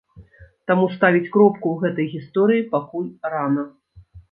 Таму ставіць кропку ў гэтай гісторыі пакуль рана.